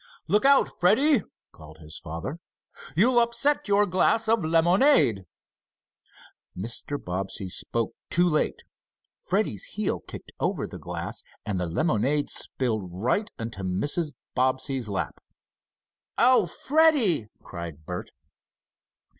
"Look out, Freddie!" called his father. "You'll upset your glass of lemonade!" Mr. Bobbsey spoke too late. Freddie's heel kicked over the glass, and the lemonade spilled right into Mrs. Bobbsey's lap. "Oh, Freddie!" cried Bert.